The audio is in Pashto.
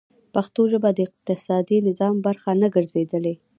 پښتو ژبه د اقتصادي نظام برخه نه ده ګرځېدلې.